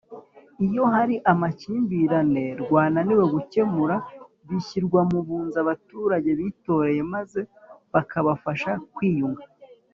iyo hari amakimbirane rwananiwe gukemura bishyirwa mu bunzi abaturage bitoreye maze bakabafasha kwiyunga.